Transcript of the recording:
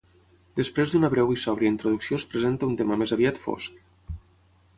Després d'una breu i sòbria introducció es presenta un tema més aviat fosc.